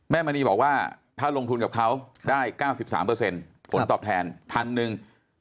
มณีบอกว่าถ้าลงทุนกับเขาได้๙๓ผลตอบแทนพันหนึ่ง